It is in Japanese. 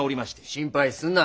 心配すんな。